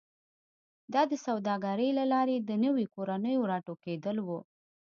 دا د سوداګرۍ له لارې د نویو کورنیو راټوکېدل و